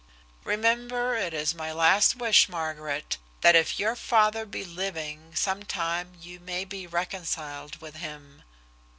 "Remember it is my last wish, Margaret, that if your father be living sometime you may be reconciled to him."